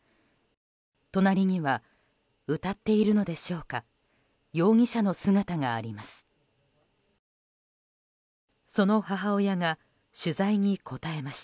隣には、歌っているのでしょうか容疑者の姿があります。